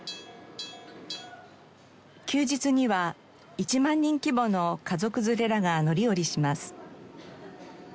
休日には１万人規模の家族連れらが乗り降りします。